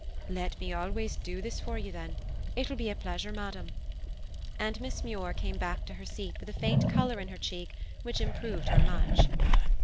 "Let me always do this for you, then. It will be a pleasure, madam." And Miss Muir came back to her seat with a faint color in her cheek which improved her much.